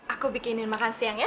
aku bikinin makan siang ya